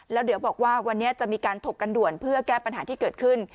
แล้วเดี๋ยวบอกว่าวันนี้จะมีการถกกันด่วนเพื่อแก้ปัญหาที่เกิดขึ้น